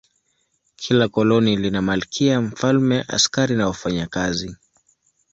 Kila koloni lina malkia, mfalme, askari na wafanyakazi.